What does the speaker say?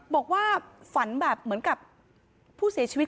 บอกว่าฝันแบบเหมือนกับผู้เสียชีวิต